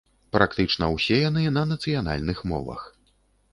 Практычна ўсе яны на нацыянальных мовах.